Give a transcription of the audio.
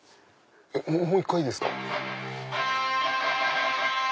もう一回いいですか？